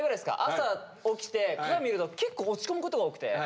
朝起きて鏡見ると結構落ち込むことが多くて。